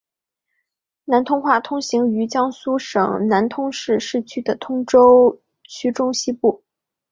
南通话通行于江苏省南通市市区和通州区中西部。